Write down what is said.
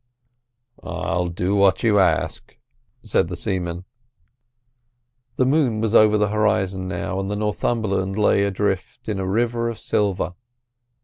"I'll do what you ask," said the seaman. The moon was over the horizon now, and the Northumberland lay adrift in a river of silver.